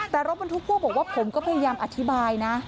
แต่รถบรรทุกพ่วงบอกว่าผมก็พยายามอธิบายนะ